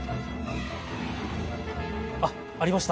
あっありました！